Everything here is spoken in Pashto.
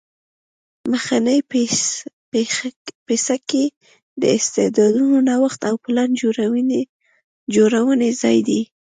مخنی پیڅکی د استعدادونو نوښت او پلان جوړونې ځای دی